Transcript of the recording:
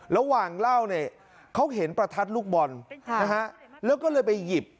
ระหว่างเล่าเนี่ยเขาเห็นประทัดลูกบอลนะฮะแล้วก็เลยไปหยิบ